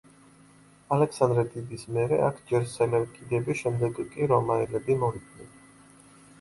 ალექსანდრე დიდის მერე აქ ჯერ სელევკიდები, შემდეგ კი რომაელები მოვიდნენ.